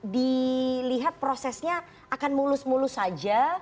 dilihat prosesnya akan mulus mulus saja